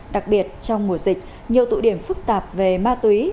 đặc biệt trong mùa dịch nhiều tụ điểm phức tạp về ma túy